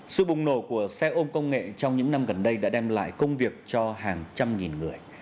sự bùng nổ của xe ôm công nghệ trong những năm gần đây đã đem lại công việc cho hàng trăm nghìn người